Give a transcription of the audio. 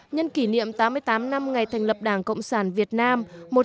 nhân kỷ niệm tám mươi tám năm ngày thành lập đảng cộng sản việt nam